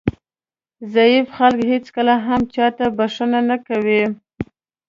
ضعیف خلک هېڅکله هم چاته بښنه نه کوي.